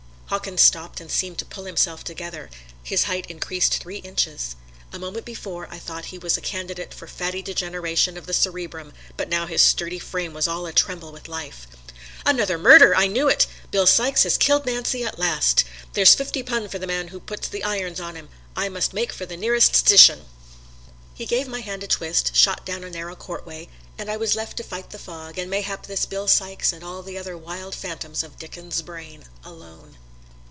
Hawkins stopped and seemed to pull himself together his height increased three inches. A moment before I thought he was a candidate for fatty degeneration of the cerebrum, but now his sturdy frame was all atremble with life. "Another murder! I knew it. Bill Sykes has killed Nancy at last. There 's fifty pun for the man who puts the irons on 'im I must make for the nearest stishun." He gave my hand a twist, shot down a narrow courtway and I was left to fight the fog, and mayhap this Bill Sykes and all the other wild phantoms of Dickens' brain, alone.